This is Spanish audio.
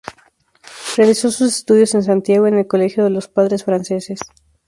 Realizó sus estudios en Santiago en el Colegio Los Padres Franceses.